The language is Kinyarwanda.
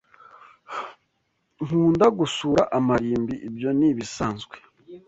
Nkunda gusura amarimbi. Ibyo ni ibisanzwe?